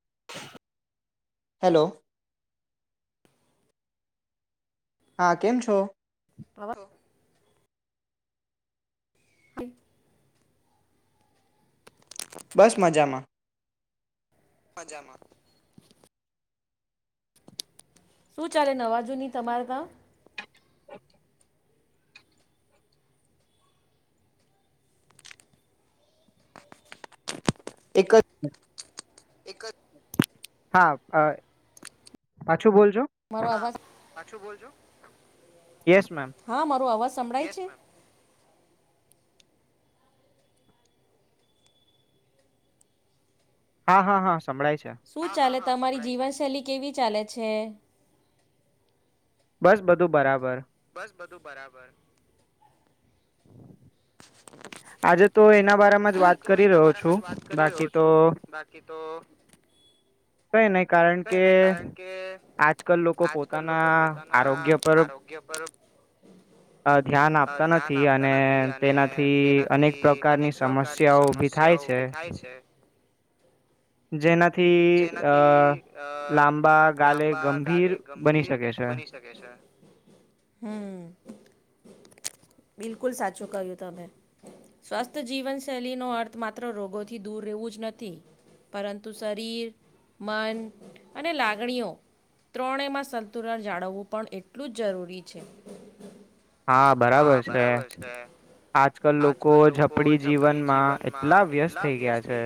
[inaudible] Hello? હા કેમ છો? હર [inaudible] હ [inaudible] બસ મજામાં હજામ [inaudible] શું ચાલે નવાજુની તમાર કામ [inaudible] એક જ હા પાછું બોલજો મારોવાજોો [inaudible] હા મારો આવાજ સંંભળાય છે હા હા હા સંભળાય છે તમારી જીવનશૈલી કેવી ચાલે છે બસ બધું બરાબર બધું બરાબર આજે તો એના બારમાં જ વાત કરી રહ્યો છું બાકી તો કઈ નને કારણ કે આજકાલ લોકો પોતાના આરોગ્ય પર ધ્યાન આપતા નથી અને તેનાથી થી અનેક પ્રકારની સમસ્યાઓ ઉભી થાય છે જેનાથી અ લાંબા ગાલે ગંભીર બની શકે છે હમ્મ બિલકુલ સાચું કહ્યું તમે સ્વસ્થ્ય જીવનશૈલીનો અર્થ માત્ર રોગોથી દૂર રહેવું જ નથી પરં તું શરીર મન અને લાગણીઓ ત્રણેયમાં સંતુલન જાળવવું પણ એટલું જ જરૂરી છે હા બરાબર છે આજ કલ લોકો ઝપડી જીવનમાં એટલા વ્યસ્ત થઈ ગયા છે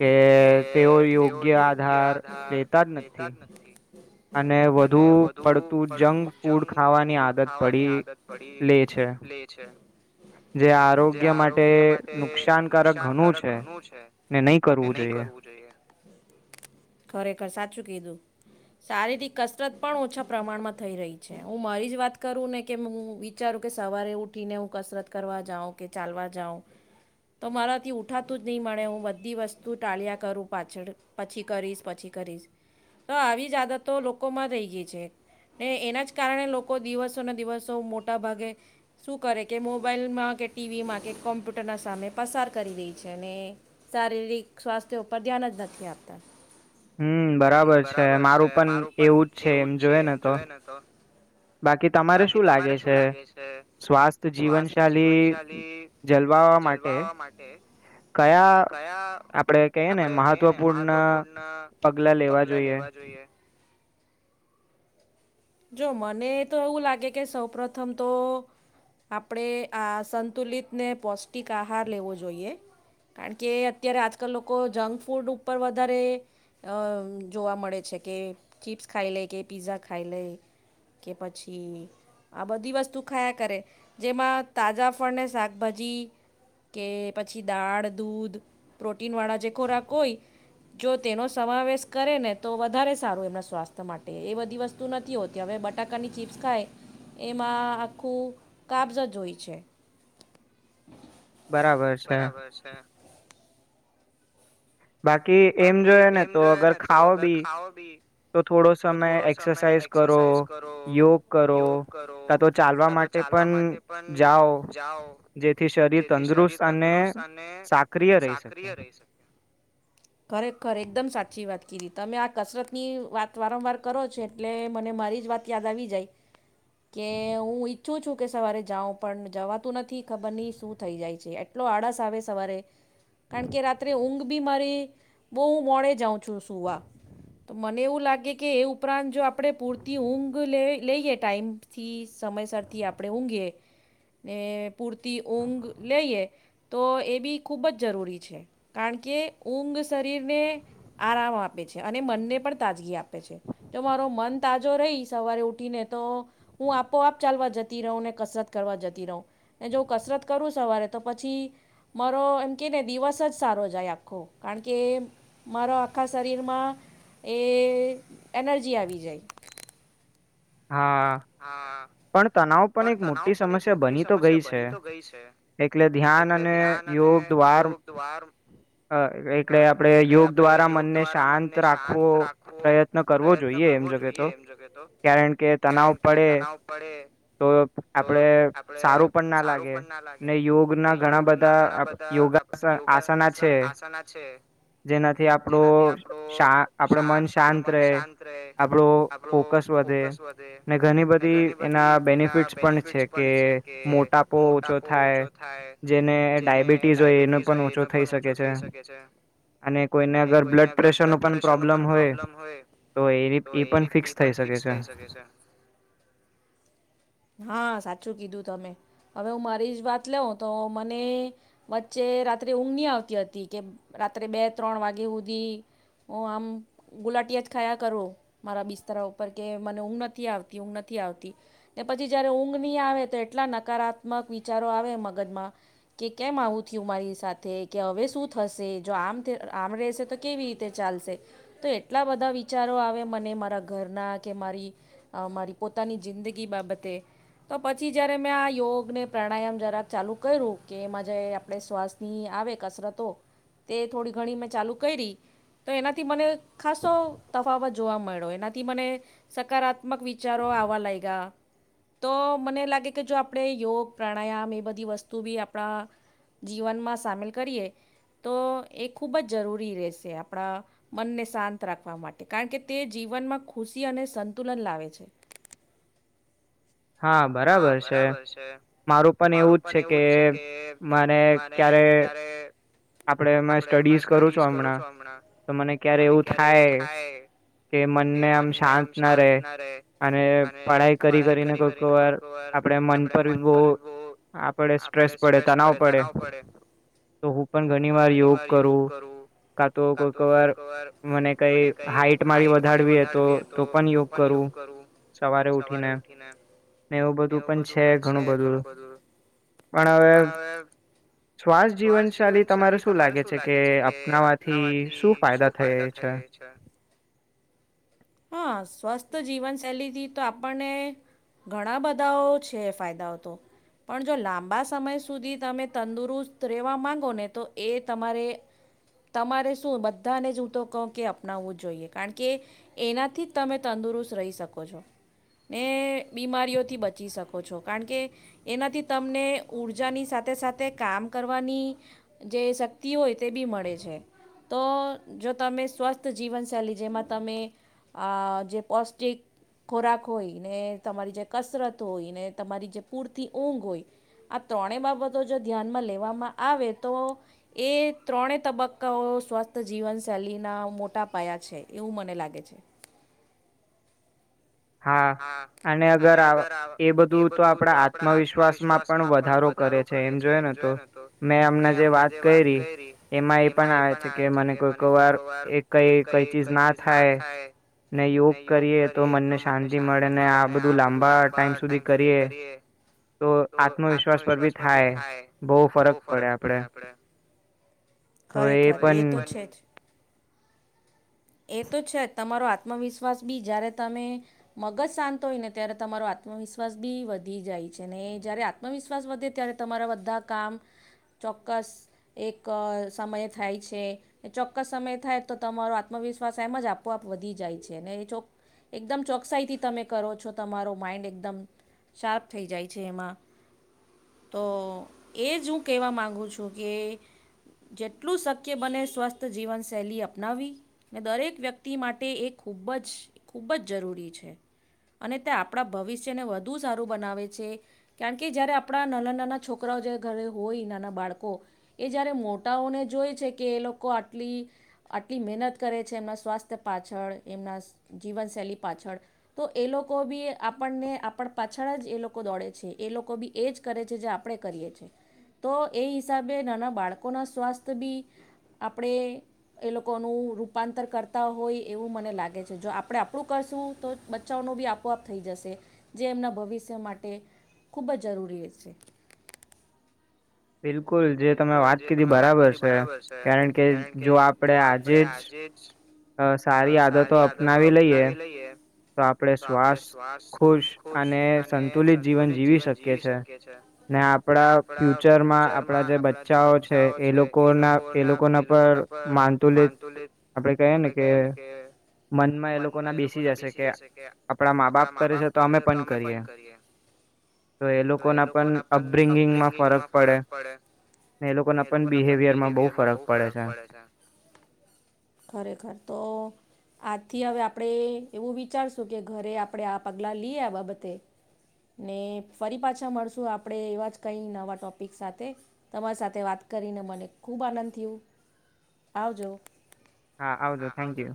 કે તેઓ યોગ્ય આધાર લેતા જ નથી અને વધુ પડતું જંક ફૂડ ખાવાની આદત પડી લે છે જે આરોગ્ય માટે નુકસાનકારક ઘણું છે ને નહી કરવું જોઈએ કરવું જોયે ખરેખર સાચું કીધું સારીથી કસરત પણ ઓછા પ્રમાણમાં થઈ રહી છે હું મારી જ વાત કરું ને કે હું વિચારું કે સવારે ઉઠીને હું કસરત કરવા જાઉં કે ચાલવા જાઉ તો મારાથી ઉઠાતું જ નહી મળે હું બધી વસ્તુ ટાળ્યા કરું પાછળ પછી કરીશ પછી કરીશ તો આવી જ આદતો લોકોમાં રહી ગઈ છે ને એના જ કારણે લોકો દિવસોને દિવસો મોટાભાગે શું કરે કે મોબાઈલમાં કે ટીવીમાં કે કોમ્પ્યુટરના સામે પસાર કરી રહી છે ને શારીરિક સ્વાસ્થ્ય ઉપર ધ્યાન જ નથી આપતા હમ બરાબર છે મારું પણ એવું જ છે એમ જોય ને તો બાકી તમારે શું લાગે છે સ્વાસ્થ્ય જીવનશાલી જલવાવા માટે કયા આપડે કહીએ ને મહત્વપૂર્ણ પગલા લેવા જોઈએ જો મને તો એવું લાગે કે સૌ પ્ર્રથમ તો આપણે આ સંતુલિતને પૌષ્ટિક આહાર લેવો જોઈએ કારણ કે અત્યારે આજકાલ લોકો જંક ફૂડ ઉપર વધારે જોવા મળે છે કે ચીપ્સ ખાઈ લે કે પીઝા ખાઈ લે કે પછી આ બધી વસ્તુ ખાયા કરે જેમાં તાજા ફળને શાકભાજી કે પછી દાળ દૂધ પ્રોટીન વાળા જે ખોરાક હોય જો તેનો સમાવેશ કરે ને તો વધારે સારો એમના સ્વાસ્થ્ય માટે એ બધી વસ્તુ નથી હોતી કે હવે બટાકાની ચીપ્સ ખાય એમાં આખું કાબસ જ હોય છે બરાબર છે બાકી એમ જોઈ ને તો અગર ખાઓ બી તો થોડો સમય એક્સરસાઇઝ કરો યોગ કરો કા તો ચાલવા માટે પણ જાઓ જેથી શરીર તંદુરસ્ત અને સાક્રિય રહી શકે ખરેખર એકદમ સાચી વાત કી ઘી તમે આ કસરત ની વાત વારંવાર કરો છો એટલે મને મારી જ વાત યાદ આવી જાય કે હું ઈચ્છું છું કે સવારે જાઉ પણ જવાતું નથી ખબર નહી શું થઈ જાય છે એટલો આળસ આવે સવારે કારણ કે રાત્રે ઊંઘ બી મારી બઉ મોડે જાઉં છું સુવા તો મને એવું લા એ ઉપરાંત જો આપણે પૂરતી ઊંઘ લે લઈએ ટાઈમથી સમયસરથી આપણે ઊંઘીએ ને પૂરતી ઊંઘ લઈએ તો એ બી ખૂબ જ જરૂરી છે કારણ કે ઊંઘ શરીરને આરામ આપે છે અને મનને પણ તાજગી આપે આપે છે તમારુ મન તાજુ જો રહી સવારે ઉઠીને તો હું આપોઆપ ચાલવા જતી રહું ને કસરત કરવા જતી રહું ને જો કસરત કરું સવારે તો પછી મારો એમ કે ને દિવસ જ સારો જાય આખો કારણ કે કે મારા આખા શરીરમાં એ એનર્જી આવી જાય હા પણ તનાવ પણ એક મોટી સમસ્યા બની તો ગઈ છે એટલે ધ્યાન અને યોગ દ્વાર એટલે આપણે યોગ દ્વારા મનને શાંત રાખવો પ્રયત્ન કરવો જોઈએ એમ જગે તો કારણ કે તનાવ કે તનાવ પડે તો આપડે સારું પણ ના લાગે ને યોગ ના ઘણા બધા યોગ આસના છે જેનાથી આપણું આપડ મન શાંત રહે આપણું ફોકસ વધે ઘણી બધી એના બેનિફિટ્સ પણ છે કે મોટાપો ઓછો થાય જેને ડાયબિટીસ હોય એનો પણ ઓછો થઈ શકે છે અને કોઈને અગર બ્લડ પ્રેશરનો પણ પ્રોબ્લમ હોય તો એ એ પણ ફિક્સ થઈ શકે છે થઈ શકે છે હા સાચું કીધું તમે હવે હું મારી જ વાત લેવ તો મને વચ્ચે રાત્રે ઊંઘ ની આવતી હતી કે રાત્રે બે ત્રણ વાગે હુધી હું આમ ગુલાટીિયા જ ખાયા કરું મારા બિસ્તરા ઉપર કે મને ઊંઘ નથી આવતી ઊંઘ નથી આવતી ને પછી જયારે ઊંઘ નહી આવે તો એટલા નકારાત્મક વિચારો આવે મગજમાં કે કેમ આવું થયું મારી સાથે કે હવે શું થશે જો આમ આમ રશે તો કેવી રીતે ચાલશે તો એટલા બધા વિચારો આવે મને મારા ઘરના કે મારી મારી પોતાની જિંદગી બાબતે તો પછી જ્યારે મેં આ યોગને પ્રાણાયામ જરા ચાલુ કર્યું કે એમાં જે આપણે શ્વાસની આવે કસરતો તે થોડી ઘણી મેં ચાલુ કરી તો એનાથી મને ખાસો તફાવત જોવા મળ્યો એનાથી મને સકારાત્મ મક વિચારો આવવા લાગ્યા તો મને લાગે કે જો આપણે યોગ પ્રાણાયામ એ બધી વસ્તુ બી આપણા જીવનમાં સામેલ કરીએ તો એ ખૂબ જ જરૂરી રહેશે આપણા મનને શાંત રાખવા માટે કારણ કે તે જીવનમાં ખુશી અને સંતુલ લેન લાવે છે હા બરાબર છે મારું પણ એવું જ છે કે મને ક્યારે આપડે એમાં સ્ટડીઝ કરું છું હમણાં તો મને ક્યારે એવું થાય કે મનને આમ શાંત ના રહેે અને પઢાઈ કરી કરીને કોઈ વાર આપડે મન પર બી બોહ આપડે સ્ટ્રેસ પડે તનાવ પડે તો તો હું પણ ઘણી વાર યોગ કરું કા તો કોઈક વાર મને કઈ હાઈટ મારી વધારવી તો તો પણ યોગ કરું સવારે ઉઠીને પણ છે ઘણું બધું પણ હવે શ્વાસ જીવનશેલી શાલી તમારે શુ લાગે છે કે અપનાવાથી શુ ફાયદો થાય છે હ અ સ્વ જીવનશૈલીથી તો આપણને ઘણા બધા યદાઓ છે ફાયદાઓ તો પણ જો લાંબા સમય સુધી તમે તંદુરુસ્ત રહેવા માંગો ને તો એ તમારે તમારે શું બધાને જ હું તો કહુ કે અપનાવવું જ જોઈએ કારણ કે એનાથી જ તમે તંદુરસ્ત રહી શકો છો ને બીમારીઓથી બચ બચી શકો છો કારણ કે એનાથી તમને ઉઊર્જાની સાથે સાથે કામ કરવાની જે શક્તિ હોય તે બી મળે છે તો જો તમે સ્વસ્થ જીવનશૈલી જેમાં તમે જે પૌષ્ટિક ખોરાક હોય ને તમારી જે કસરત હોયને તમારી જે પૂરતી ઊંઘ હોય આ ત્રણે બાબતો જો ધ્યાનમાં લેવામાં આવે તો એ ત્રણે તબક્કાઓ સ્વસ્થ જીવન શૈલીના મોટા પાયા છે એવું મને લાગે છે હા અને અગર એ બધું તો આપણા આત્મવિશ્વાસમાં પણ વધારો કરે છે એમ જોય ને તો મેં અમને જે વાત કરી એમાં એ પણ આવે છે કે મને કોઈક વાર એ કઈ કઈ ચીજ ના થાય ને યોગ કરીએ તો મન ને શાંતિ મળે ને આ બધું લાંબા ટાઈમ સુધી કરીએ તો આત્મવિશ્વાસ પર ભી થાય બોહ ફરક પડે આપડે ખરેખર એ તો જે એ તો છે જ તમારો આત્મવિશ્વાસ બી જ્યારે તમે મગજ શાંત હોય ને ત્યારે તમારો આત્મવિશ્વાસ બી વધી જાય છે ને એ જયારે આત્મવિશ્વાસ વધે ત્યારે તમારા બધા કામ ચોક્કસ એક સમય થાય છે ચોક્કસ સમય થાય તો તમારો આ આત્મવિશ્વાસ એમ જ આપોઆપ વધી જાય છે ને એ ચો એકદમ ચોકસાઈથી તમે કરો છો તમારો માઇન્ડ એકદમ શાર્પ થઈ જાય છે એમાં તો એ જ હું કહેવા માંગુ છું કે જેટલું શક્ય બને સ્વસ્થ જીવનશૈલી અપનાવી ને દરેક વ્યક્તિ માટે એ ખૂબ જ ખૂબ જ જરૂરી છે અને તે આપણા ભવિષ્યને વધુ સારું બનાવે છે કારણ કે જ્યારે આપણા નાના નાના છોકરાઓ જ્યારે ઘરે હોય નાના બાળકો એ જ્યારે મોટાઓને જોઈ છે કે એ લોકો આટલી આટલી મહેનત કરે છે એમના સ્વાસ્થ્ય પાછળ એમના જીવનશૈલી પાછળ તો એ લોકો બી આપણને આપણ પાછળ જ એ લોકો દોડે છે એ લોકો બી એ જ કરે છે જે આપણે કરીએ છે તો એ હિસાબે નાના બાળકોના સ્વાસ્થ્ય બી આપણે એ લોકોનું રૂપ રૂપાંતર કરતા હોય એવું મને લાગે છે જો આપણે આપણું કરશું તો બચ્ચાઓનો બી આપોઆપ થઈ જશે જે એમના ભવિષ્ય માટે ખૂબ જ જરૂરી છે બિલકુલ જે તમે વાત કીધી બરાબર છે કારણ કે જો આપડે આજે જ અ સારી આદતો અપનાવી લઈએ તો આપણે શ્વાસ ખુશ અને સંતુલિત જીવન જીવી શકીએ છે ને આપણા ફ્યુચરમાં આપણા બચ્ચાઓ છે એ લોકોના એ લોકોના પર માનતુલિત આપડે કહીએ ને કે મનમાં એ લોકો ના બેસી જશે જશે કે આપણા મા બાપ કરે છે તો અમે પણ કરીએ. તો એ લોકો ના પણ અપબ્રિંગિંગમાં ફરક પડે. ખરેખર તો આજથી હવે આપણે એવું વિચારશું કે ઘરે આપણે આ પગલાં લીએ આ બાબતે, ને ફરી પાછા મળશું આપણે એવા જ કંઈ નવા ટોપિક સાથે. તમાર સાથે વાત કરીને મને ખુબ આનંદ થયો આવજો. હા આવજો થેન્ક યુ.